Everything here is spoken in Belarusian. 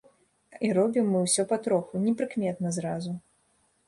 І робім мы ўсё патроху, непрыкметна зразу.